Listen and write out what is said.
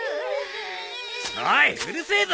おいうるせえぞ！